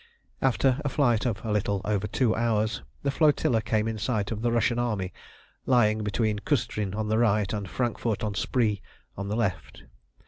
After a flight of a little over two hours the flotilla came in sight of the Russian army lying between Cüstrin on the right and Frankfort on Spree on the left.